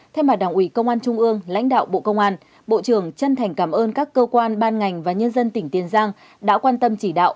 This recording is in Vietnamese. thay mặt đảng ủy công an trung ương lãnh đạo bộ công an bộ trưởng chân thành cảm ơn các cơ quan ban ngành và nhân dân tỉnh tiền giang đã quan tâm chỉ đạo